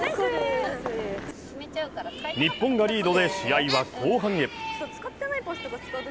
日本がリードで試合は後半へ。